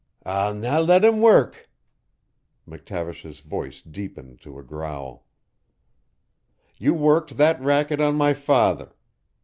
"I'll nae let him work." McTavish's voice deepened to a growl. "You worked that racket on my father.